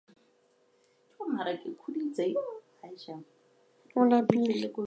Itaipu itself was not damaged.